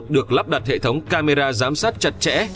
được lắp đặt hệ thống camera giám sát chặt chẽ